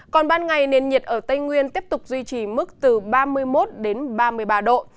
còn ban ngày nền nhiệt ở tây nguyên tiếp tục duy trì mức từ ba mươi một đến ba mươi ba độ